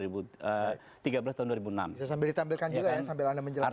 bisa sambil ditampilkan juga ya sambil anda menjelaskan